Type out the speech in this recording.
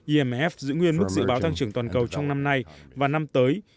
imf giữ nguyên mức dự báo tăng trưởng toàn cầu trong năm nay và năm tới